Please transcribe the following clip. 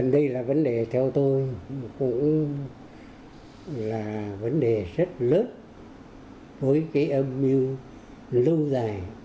đây là vấn đề theo tôi cũng là vấn đề rất lớn với cái âm mưu lâu dài